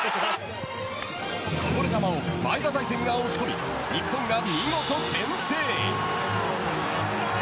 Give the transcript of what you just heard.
こぼれ球を前田大然が押し込み日本が見事先制。